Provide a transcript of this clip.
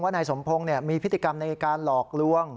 ว่านายสมพงศ์เนี่ยมีพิธีกรรมในการหลอกลวง